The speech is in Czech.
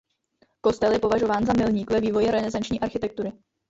Kostel je považován za milník ve vývoji renesanční architektury.